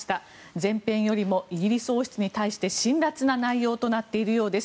前編よりもイギリス王室に対して辛らつな内容となっているようです。